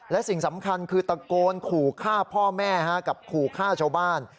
และสิ่งสำคัญคือตะโกนขู่ฆ่าพ่อแม่กับขู่ฆ่าชาวบ้าน